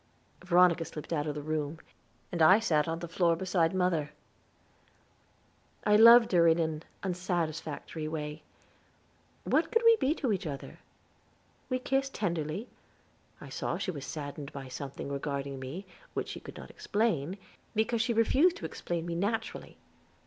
Veronica slipped out of the room; and I sat on the floor beside mother. I loved her in an unsatisfactory way. What could we be to each other? We kissed tenderly; I saw she was saddened by something regarding me, which she could not explain, because she refused to explain me naturally.